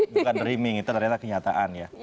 bukan dreaming itu adalah kenyataan ya